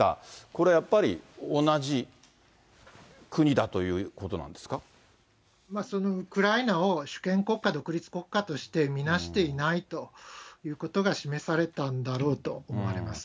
これはやっぱり、ウクライナを主権国家、独立国家として見なしていないということが示されたんだろうと思われます。